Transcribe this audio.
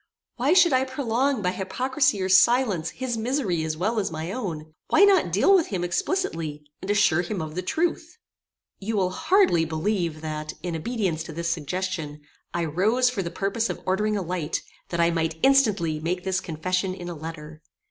Why should I prolong, by hypocrisy or silence, his misery as well as my own? Why not deal with him explicitly, and assure him of the truth? You will hardly believe that, in obedience to this suggestion, I rose for the purpose of ordering a light, that I might instantly make this confession in a letter.